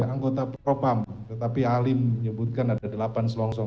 anggota propam tetapi alim menyebutkan ada delapan selongsong